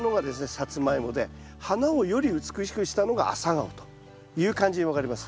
サツマイモで花をより美しくしたのがアサガオという感じに分かれます。